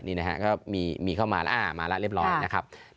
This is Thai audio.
นี่นะฮะก็มีเข้ามาแล้วมาแล้วเรียบร้อยนะครับ